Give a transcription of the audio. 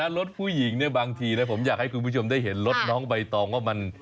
รถผู้หญิงเนี่ยบางทีนะผมอยากให้คุณผู้ชมได้เห็นรถน้องใบตองว่ามัน